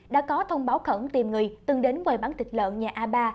đã có thông báo khẩn tìm người từng đến quầy bán thịt lợn nhà a ba